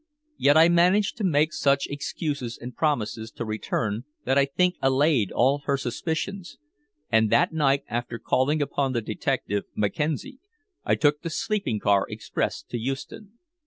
Yet I managed to make such excuses and promises to return that I think allayed all her suspicions, and that night, after calling upon the detective Mackenzie, I took the sleeping car express to Euston.